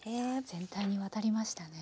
全体にわたりましたね。